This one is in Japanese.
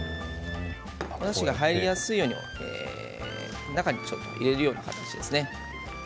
おだしが入りやすいように中に、ちょっと入れるような感じですね。